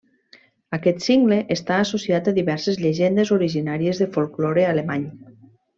Aquest cingle està associat a diverses llegendes originàries del folklore alemany.